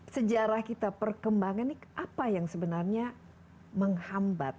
sejarah kita perkembangan ini apa yang sebenarnya menghambat